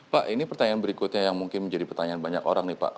pak ini pertanyaan berikutnya yang mungkin menjadi pertanyaan banyak orang nih pak